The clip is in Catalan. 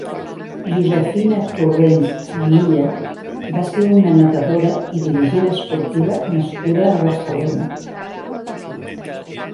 Josefina Torrens i Illa va ser una nedadora i dirigent esportiva nascuda a Barcelona.